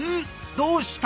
どうした？